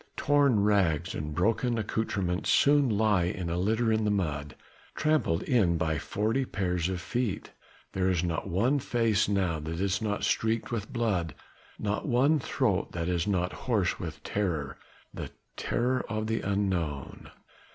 Torn rags and broken accoutrements soon lie in a litter in the mud, trampled in by forty pairs of feet. There is not one face now that is not streaked with blood, not one throat that is not hoarse with terror the terror of the unknown.